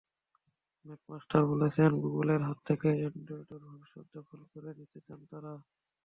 McMaster বলেছেন, গুগলের হাত থেকে অ্যান্ড্রয়েডের ভবিষ্যৎ দখল করে নিতে চান তাঁরা।